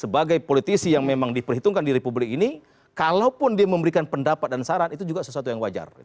sebagai politisi yang memang diperhitungkan di republik ini kalaupun dia memberikan pendapat dan saran itu juga sesuatu yang wajar